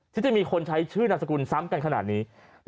ที่จะมีคนใช้ชื่อนามสกุลซ้ำกันขนาดนี้